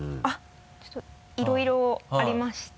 ちょっといろいろありまして。